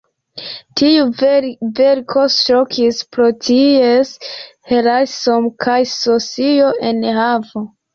Tiu verko ŝokis pro ties realismo kaj socia enhavo.